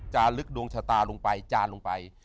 ลึกดวงชะตาลงไปจานลงไป